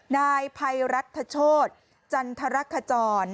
นายภัยรัฐโชธจันทรคจร